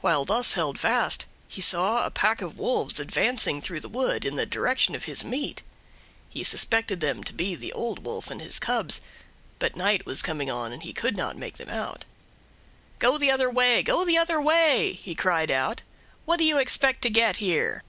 While thus held fast he saw a pack of wolves advancing through the wood in the direction of his meat. He suspected them to be the Old Wolf and his cubs, but night was coming on and he could not make them out. "Go the other way, go the other Way!" he cried out; "what do you expect to get here?"